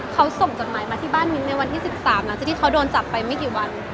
เขาส่งจดหมายมาที่บ้านมิ้นในวันที่๑๓หลังจากที่เขาโดนจับไปไม่กี่วัน